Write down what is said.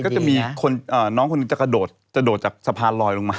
ล่าสุดพี่มีน้องคนนี้จะโดดจากสะพานลอยลงมา